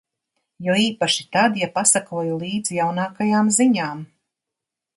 Jo īpaši tad, ja pasekoju līdzi jaunākajām ziņām...